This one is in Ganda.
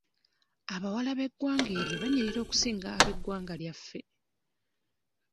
Abawala b'eggwanga eryo banyirira okusinga ab'eggwanga lyaffe.